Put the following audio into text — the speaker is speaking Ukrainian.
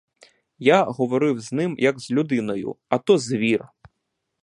Я говорив з ним, як з людиною, а то звір.